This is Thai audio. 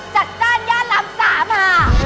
จัดจ้านย่านราม๓อะ